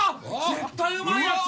絶対うまいやつ！